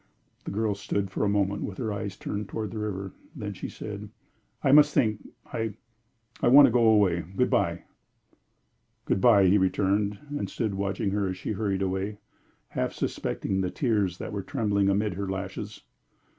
The girl stood for a moment with her eyes turned toward the river. Then she said: "I must think. I I want to go away. Good bye." "Good bye," he returned, and stood watching her as she hurried away, half suspecting the tears that were trembling amid her lashes.